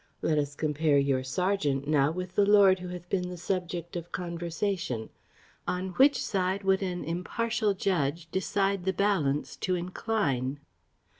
Let us compare your serjeant, now, with the lord who hath been the subject of conversation; on which side would an impartial judge decide the balance to incline?"